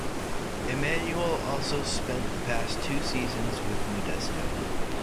Emanuel also spent the past two seasons with Modesto.